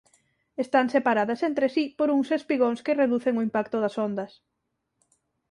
Están separadas entre si por uns espigóns que reducen o impacto das ondas.